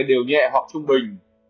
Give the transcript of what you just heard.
đều nhẹ hoặc trung bình